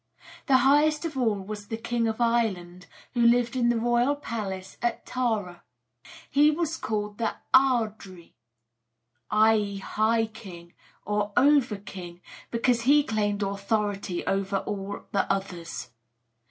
The highest of all was the king of Ireland, who lived in the royal palace at Tara. He was called the Ard ri [ard ree], i.e., 'High king' or Over king, because he claimed authority over all the others.